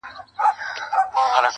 خپل د لاس څخه اشـــنــــــا,